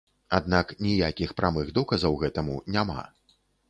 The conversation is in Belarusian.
Аднак ніякіх прамых доказаў гэтаму няма.